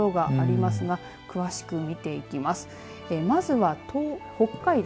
まずは北海道。